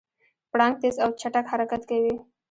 پړانګ تېز او چټک حرکت کوي.